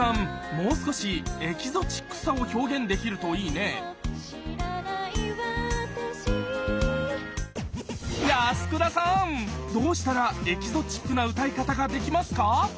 もう少しエキゾチックさを表現できるといいね安倉さんどうしたらエキゾチックな歌い方ができますか？